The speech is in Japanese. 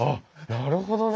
なるほどね。